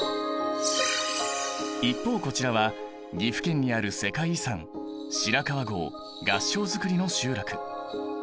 一方こちらは岐阜県にある世界遺産白川郷合掌造りの集落。